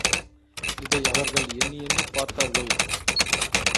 இதை அவர்கள் எண்ணி எண்ணிப் பார்த்தார்கள்.